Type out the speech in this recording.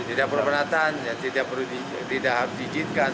tidak perlu penataan tidak harus diizinkan